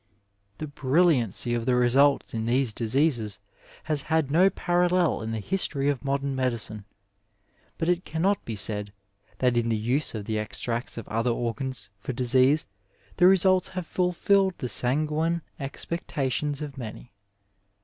The brilliancy of the resnltB in these diseases has had no parallel in the history of modem medicine, but it cannot be said that in the use of the extracts of other organs for disease the results have fulfilled the sanguine expectations of many.